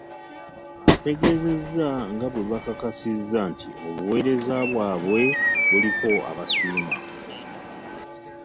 Ategeezezza nga bwe bakakasizza nti obuweereza bwabwe buliko ababusiima.